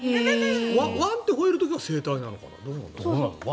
ワンってほえるのは声帯なのかな？